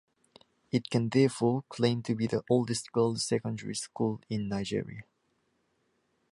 It can therefore claim to be the oldest girls secondary school in Nigeria.